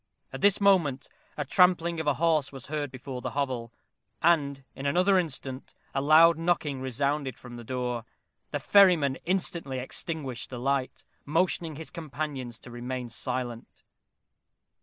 At this moment a trampling of a horse was heard before the hovel, and in another instant a loud knocking resounded from the door. The ferryman instantly extinguished the light, motioning his companions to remain silent.